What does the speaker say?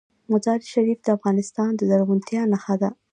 مزارشریف د افغانستان د زرغونتیا نښه ده.